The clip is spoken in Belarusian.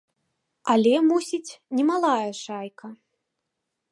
Але, мусіць, немалая шайка.